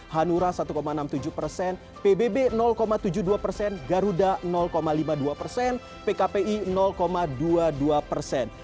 hanura satu enam puluh tujuh persen pbb tujuh puluh dua persen garuda lima puluh dua persen pkpi dua puluh dua persen